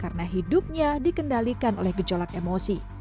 karena hidupnya dikendalikan oleh gejolak emosi